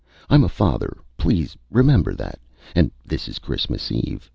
I'm a father please remember that and this is Christmas Eve.